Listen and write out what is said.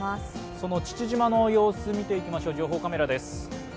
その父島の様子を見ていきましょう、情報カメラです。